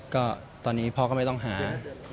ก็ตอนนี้พ่อก็ไม่ต้องหา